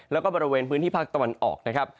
แล้วก็บริเวณพื้นที่ภาคตะวันออกนะครับ